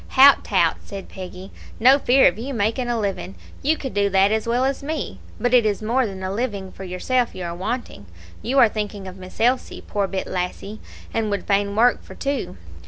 "Hout tout," said Peggy, "no fear of you making a living, you could do that as well as me; but it is more than a living for yourself you are wanting; you are thinking of Miss Elsie, poor bit lassie, and would fain work for two.